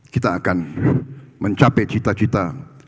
kita akan mencapai cita cita